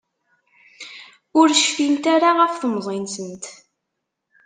Ur cfint ara ɣef temẓi-nsent.